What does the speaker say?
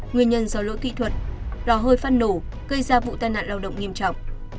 nguyên nhân do lỗi kỹ thuật lò hơi phát nổ gây ra vụ tai nạn lao động nghiêm trọng